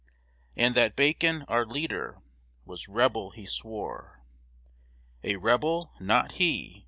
And that Bacon, our leader, was rebel, he swore. A rebel? Not he!